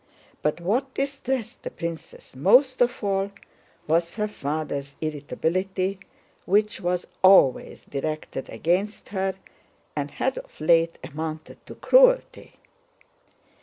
But what distressed the princess most of all was her father's irritability, which was always directed against her and had of late amounted to cruelty.